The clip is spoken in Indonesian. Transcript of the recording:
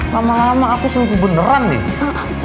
lama lama aku sungguh beneran nih